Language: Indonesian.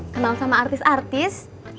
kenal sama artis artis